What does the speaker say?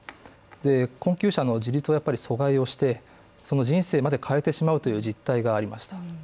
困窮者の自立を阻害して、その人生まで変えてしまうという実態がありました。